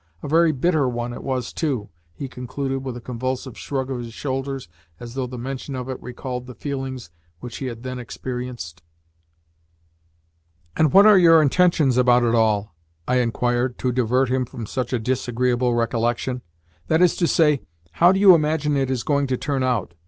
A very bitter one it was, too," he concluded, with a convulsive shrug of his shoulders, as though the mention of it recalled the feelings which he had then experienced. "And what are your intentions about it all?" I inquired, to divert him from such a disagreeable recollection. "That is to say, how do you imagine it is going to turn out?